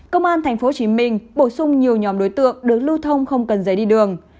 công an tp hcm bổ sung nhiều nhóm đối tượng được lưu thông không cần giấy đi đường